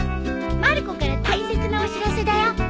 まる子から大切なお知らせだよ。